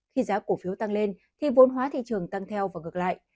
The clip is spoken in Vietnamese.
khi giá cổ phiếu tăng lên thì vốn hóa thị trường tăng theo và ngược lại